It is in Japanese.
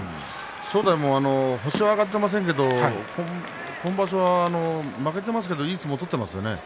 正代も星は挙がっていませんが今場所は負けてますけどいい相撲を取ってますよね。